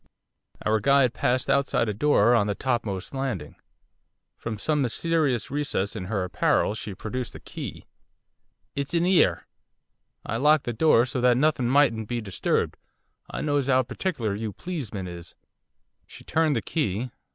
Our guide paused outside a door on the topmost landing. From some mysterious recess in her apparel she produced a key. 'It's in 'ere. I locked the door so that nothing mightn't be disturbed. I knows 'ow particular you pleesmen is.' She turned the key.